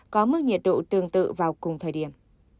có mức nhiệt độ tương tự vào cùng thời điểm